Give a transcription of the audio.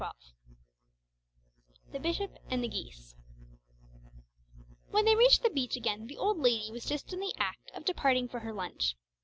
"] XII THE BISHOP AND THE GEESE When they reached the beach again the old lady was just in the act of departing for her lunch.